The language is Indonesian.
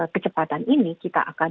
kecepatan ini kita akan